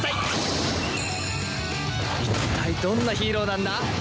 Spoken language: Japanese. いったいどんなヒーローなんだ？